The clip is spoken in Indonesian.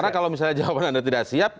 karena kalau misalnya jawaban anda tidak siap